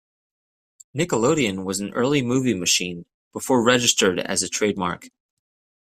"Nickelodeon" was an early movie machine before registered as a trademark.